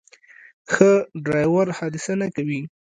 ښه ډرایور حادثه نه کوي.